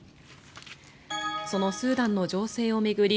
そのスーダンの情勢を巡り